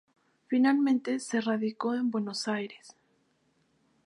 Finalmente se radicó en Buenos Aires.